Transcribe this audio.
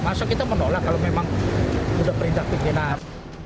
masa kita menolak kalau memang sudah perintah pimpinan